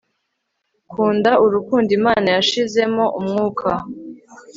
Kunda urukundo Imana yashizemo umwuka